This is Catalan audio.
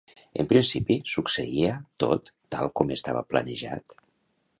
En principi, succeïa tot tal com estava planejat?